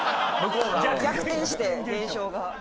逆転して現象が。